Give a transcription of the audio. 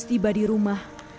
setiba di rumah